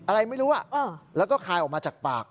อะไรไม่รู้แล้วก็คายออกมาจากปาก